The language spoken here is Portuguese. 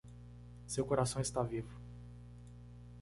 Seu coração está vivo.